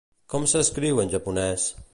Com s'escriu en japonès?